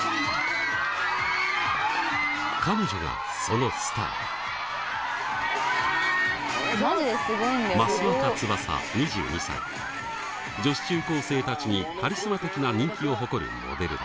彼女がそのスターよろしくお願いしまーす女子中高生たちにカリスマ的な人気を誇るモデルだ